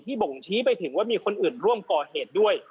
บ่งชี้ไปถึงว่ามีคนอื่นร่วมก่อเหตุด้วย